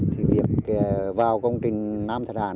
thì việc vào công trình nam thạch hãng